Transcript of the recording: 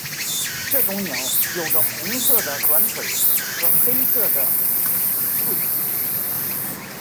这种鸟有着红色的短腿和黑色的喙。